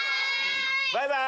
バイバイ！